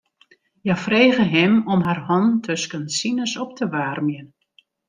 Hja frege him om har hannen tusken sines op te waarmjen.